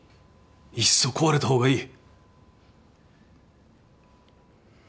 いっそ壊れた方がいい。